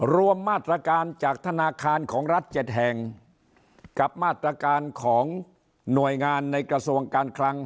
รวมมาตรการจากธนาคารของรัฐ๗แห่งกับมาตรการของหน่วยงานในกระทรวงการคลัง